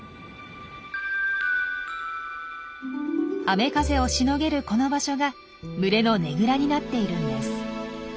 雨風をしのげるこの場所が群れのねぐらになっているんです。